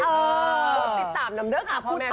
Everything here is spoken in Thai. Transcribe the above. ก็ติดตามนำเดิกอ่ะพ่อแม่มีน้อง